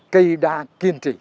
cây đa kiên trì